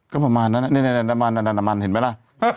ก็ประมาณนั้นนี่น้ำมันเห็นไหมล่ะ